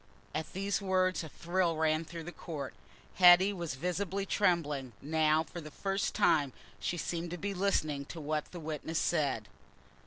At these words a thrill ran through the court. Hetty was visibly trembling; now, for the first time, she seemed to be listening to what a witness said.